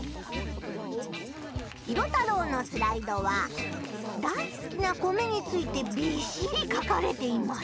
ヒロタロウのスライドはだいすきな米についてびっしり書かれています！